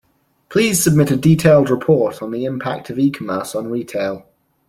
Please submit a detailed report on the impact of e-commerce on retail.